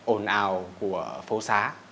ổn ào của phố xá